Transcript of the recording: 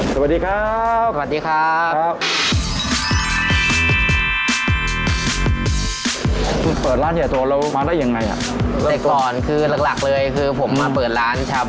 สวัสดีครับ